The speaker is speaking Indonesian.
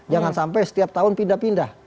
jangan sampai setiap tahun pindah pindah